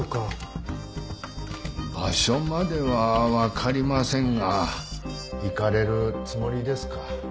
場所まではわかりませんが行かれるつもりですか？